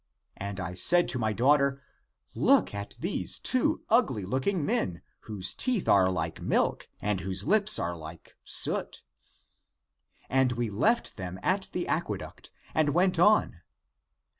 And I said to my daughter, Look at these two ugly looking men, whose teeth are like milk and whose lips are like soot. And we left them at the aqueduct and went on.